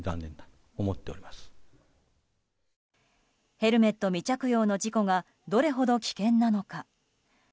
ヘルメット未着用の事故がどれほど危険なのか。